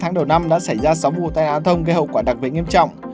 tháng đầu năm đã xảy ra sáu vụ tai nạn giao thông gây hậu quả đặc biệt nghiêm trọng